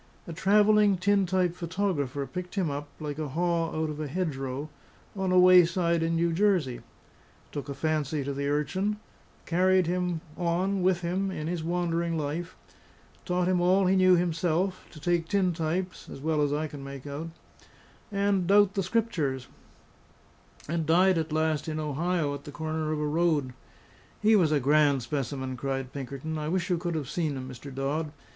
A travelling tin type photographer picked him up, like a haw out of a hedgerow, on a wayside in New Jersey; took a fancy to the urchin; carried him on with him in his wandering life; taught him all he knew himself to take tin types (as well as I can make out) and doubt the Scriptures; and died at last in Ohio at the corner of a road. "He was a grand specimen," cried Pinkerton; "I wish you could have seen him, Mr. Dodd.